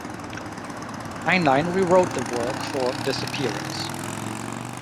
Heinlein rewrote the work for this appearance.